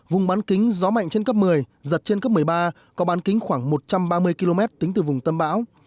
vùng bán kính gió mạnh trên cấp một mươi giật trên cấp một mươi ba có bán kính khoảng một trăm ba mươi km tính từ vùng tâm bão